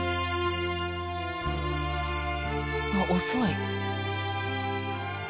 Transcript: あっ遅い。